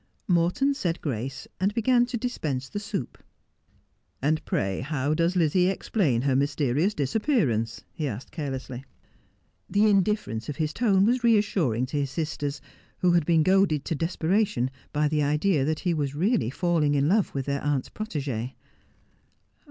Morton said grace, and began to dispense the soup. 'And pray, how does Lizzie explain her mysterious dis appearance t ' he asked carelessly. The indifference of his tone was reassuring to his sisters, who nad been goaded to desperation by the idea that he was really 'ailing in love with their aunt's protegee.